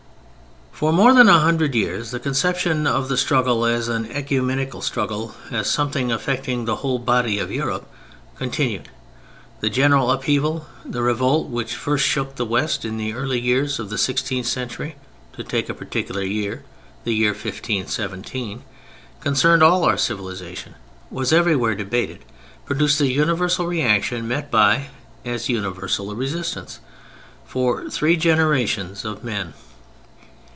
For more than a hundred years the conception of the struggle as an oecumenical struggle, as something affecting the whole body of Europe, continued. The general upheaval, the revolt, which first shook the West in the early years of the sixteenth century—to take a particular year, the year 1517—concerned all our civilization, was everywhere debated, produced an universal reaction met by as universal a resistance, for three generations of men.